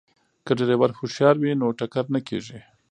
که ډریور هوښیار وي نو ټکر نه کیږي.